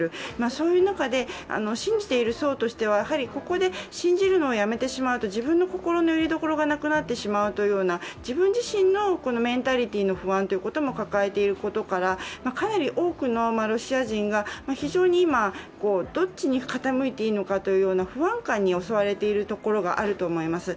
そういう中で、信じている層としては、ここで信じるのをやめてしまうと、自分の心のよりどころがなくなってしまうという自分自身のメンタリティーの不安も抱えていることからかなり多くのロシア人が非常に今、どっちに傾いていいのかという不安感に襲われていると思います。